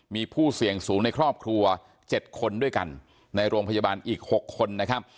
มีผู้เสี่ยงสูงในครอบครัว๗คนด้วยกันในโรงพยาบาลอีก๖คนนะครับ